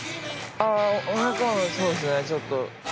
あぁお腹もそうですねちょっと。